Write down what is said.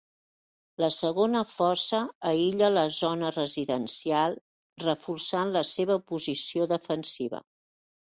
La segona fossa aïlla la zona residencial, reforçant la seva posició defensiva.